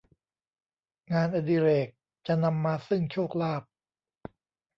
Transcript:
งานอดิเรกจะนำมาซึ่งโชคลาภ